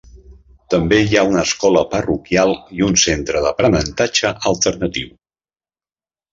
També hi ha una escola parroquial i un centre d'aprenentatge alternatiu.